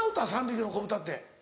『３匹の子ブタ』って。